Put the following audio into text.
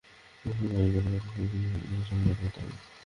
গফুর ভাই, এ ব্যাপারে আপনাকে আমার সিনিয়র অফিসারের সাথে কথা বলতে হবে।